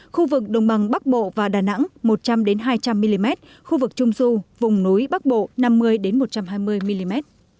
khu vực đồng bằng bắc bộ và đà nẵng một trăm linh hai trăm linh mm khu vực trung du vùng núi bắc bộ năm mươi một trăm hai mươi mm